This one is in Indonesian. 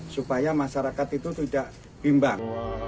supaya masyarakat itu tidak bimbang